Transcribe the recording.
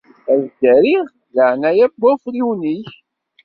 Ad ddariɣ leɛnaya n wafriwen-ik.